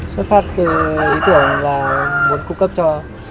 xuất phát từ ý tưởng là muốn cung cấp cho